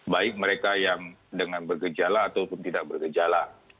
baik mereka yang dengan bergejala ataupun tidak bergejala